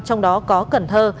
trong đó có cần thơ